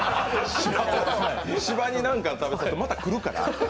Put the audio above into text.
芝に何か食べさせるとまた来るから。